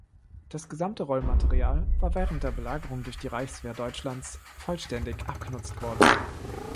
Das gesamte Rollmaterial war während der Belagerung durch die Reichswehr Deutschlands vollständig abgenutzt worden.